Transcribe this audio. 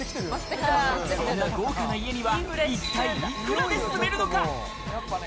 そんな豪華な家には、一体幾らで住めるのか。